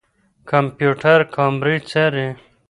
کمپيوټر کامرې څاري.